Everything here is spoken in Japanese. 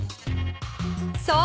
そう。